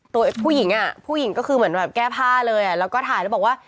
ตัวผู้หญิงอ่ะผู้หญิงก็คือเหมือนแบบแก้ผ้าเลยแล้วก็ถ่ายแล้วบอกว่า